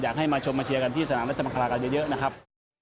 ให้มาชมมาเชียร์กันที่สนามรัชมังคลากันเยอะนะครับ